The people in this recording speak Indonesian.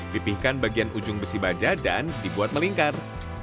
pipihkan bagian ujung besi baja dan dibuat melingkar